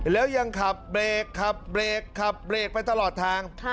แล้วยังขับเบรกขับเบรกขับเบรกไปตลอดทาง